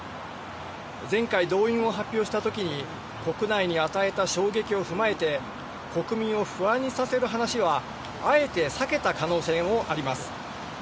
前回、動員を発表したときに国内に与えた衝撃を踏まえて、国民を不安にさせる話はあえて避けた可能性もあります。